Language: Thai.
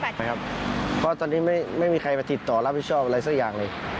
เพราะตอนนี้ไม่มีใครไปติดต่อรับผิดชอบอะไรสักอย่างเลย